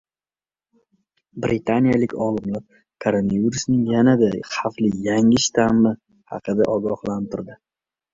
Britaniyalik olimlar koronavirusning yanada xavfli yangi shtammi haqida ogohlantirdi